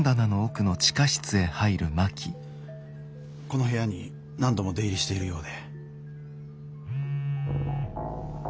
この部屋に何度も出入りしているようで。